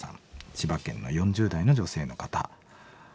千葉県の４０代の女性の方。